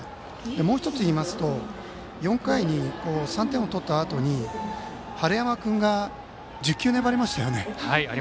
もう１ついいますと、４回に３点を取ったあとに晴山君が１０球、粘りましたよね。